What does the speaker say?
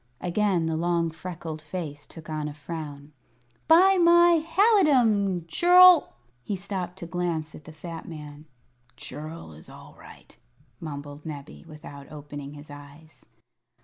Again the long freckled face took on a frown. "By my halidom, churl " He stopped to glance at the fat man. "Churl is all right," mumbled Nebbie, without opening his eyes.